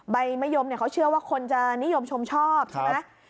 ใบมะยมเขาเชื่อว่าคนจะนิยมชมชอบใช่ไหม